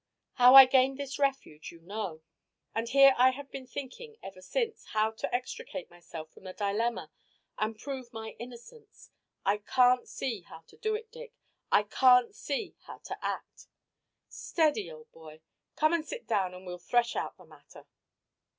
How I gained this refuge you know. And here I have been thinking ever since how to extricate myself from the dilemma and prove my innocence. I can't see how to do it, Dick. I can't see how to act." "Steady, old boy. Come and sit down and we'll thresh out the matter."